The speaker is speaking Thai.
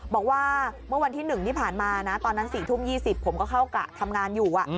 บอกว่าเมื่อวันที่๑ที่ผ่านมานะตอนนั้น๔ทุ่ม๒๐ผมก็เข้ากะทำงานอยู่